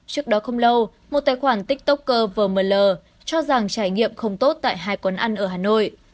trước đó không lâu một tài khoản tiktoker vờ mờ lờ cho rằng trải nghiệm không tốt tại hai quán ăn ở hà nội